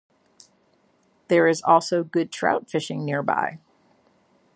There is also good trout fishing nearby.